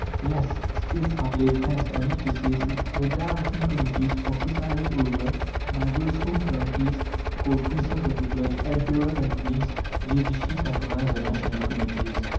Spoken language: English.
Yes, States have laid hands on it to seize it. The directing committees are presided over by those whom flunkeys call princes of the blood. Emperors and queens lavishly patronize the national committees.